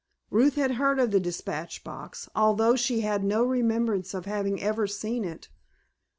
Ruth had heard of the dispatch box, although she had no remembrance of having ever seen it.